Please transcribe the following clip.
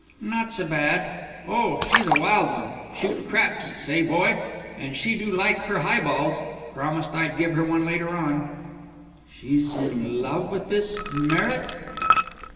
"Not so bad. Oh, she's a wild one. Shoot craps, say, boy! And she do like her high balls. Promised I'd give her one later on." "She in love with this Merritt?"